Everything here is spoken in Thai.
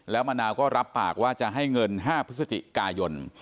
แล้วมะนาวก็รับปากว่าจะให้เงิน๕พฤศจิกายน